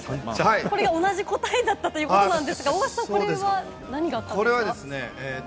これが同じ答えだったということなんですが、大橋さん、これは何があったんですか？